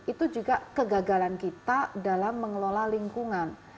itu juga kegagalan kita dalam mengelola lingkungan